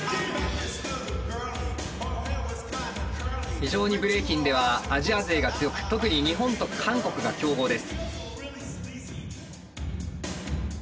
非常にブレイキンではアジア勢が強く特に日本と韓国が強豪です。